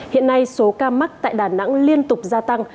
hiện nay số ca mắc tại đà nẵng liên tục gia tăng